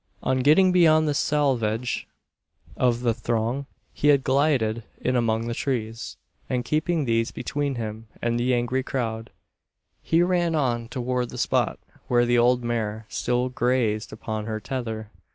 On getting beyond the selvedge of the throng, he had glided in among the trees; and keeping these between him and the angry crowd, he ran on toward the spot where the old mare still grazed upon her tether.